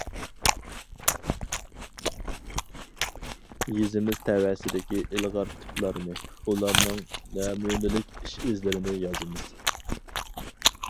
يېزىمىز تەۋەسىدىكى ئىلغار تىپلارنى، ئۇلارنىڭ نەمۇنىلىك ئىش-ئىزلىرىنى يازىمىز.